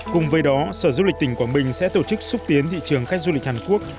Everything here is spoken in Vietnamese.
cùng với đó sở du lịch tỉnh quảng bình sẽ tổ chức xúc tiến thị trường khách du lịch hàn quốc